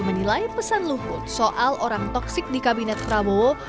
menilai pesan luhut soal orang toksik di kabinet prabowo